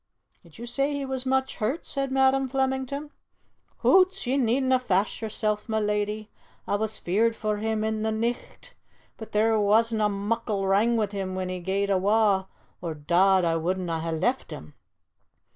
"Did you say he was much hurt?" said Madam Flemington. "Hoots! ye needna' fash yersel', ma leddy! A' was feared for him i' the nicht, but there wasna' muckle wrang wi' him when he gae'd awa', or, dod, a' wouldna' hae left him!"